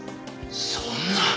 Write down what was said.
そんな。